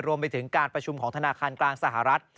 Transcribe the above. รวมไปถึงการประชุมของธนาคารกลางสหรัฐ